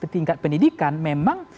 tingkat pendidikan memang